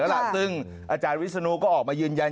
แล้วล่ะซึ่งอาจารย์วิศนุก็ออกมายืนยัน